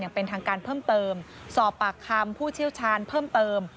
เป็นทางการเพิ่มเติมสอบปากคำผู้เชี่ยวชาญเพิ่มเติม